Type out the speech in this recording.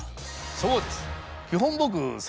そうです。